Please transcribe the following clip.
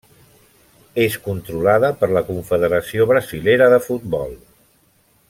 És controlada per la Confederació Brasilera de Futbol.